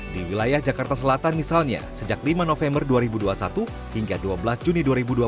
di wilayah jakarta selatan misalnya sejak lima november dua ribu dua puluh satu hingga dua belas juni dua ribu dua puluh